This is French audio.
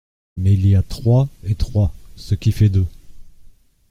Mais il y a Troie et Troyes…ce qui fait deux.